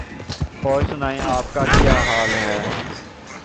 اور سنائیں آپ کا کیا حال ہے؟